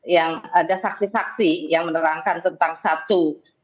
yang ada saksi saksi yang menerangkan tentang satu